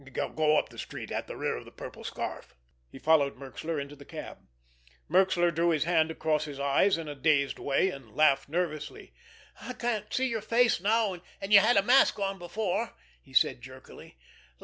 Go up the street at the rear of The Purple Scarf!" He followed Merxler into the cab. Merxler drew his hand across his eyes in a dazed way, and laughed nervously. "I can't see your face now, and you had a mask on before," he said jerkily.